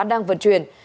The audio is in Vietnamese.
đang vận chuyển